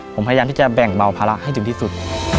ผมพยายามที่จะแบ่งเบาภาระให้ถึงที่สุด